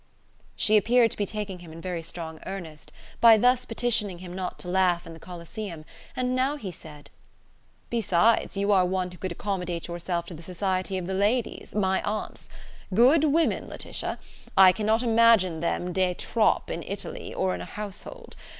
She appeared to be taking him in very strong earnest, by thus petitioning him not to laugh in the Coliseum, and now he said: "Besides, you are one who could accommodate yourself to the society of the ladies, my aunts. Good women, Laetitia! I cannot imagine them de trop in Italy, or in a household.